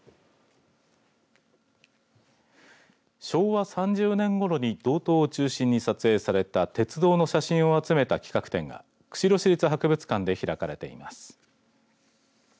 昭和３０年ごろに道東を中心に撮影された鉄道の写真を集めた企画展が釧路市立博物館で開かれています。